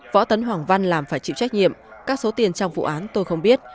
võ tấn hoàng văn làm phải chịu trách nhiệm các số tiền trong vụ án tôi không biết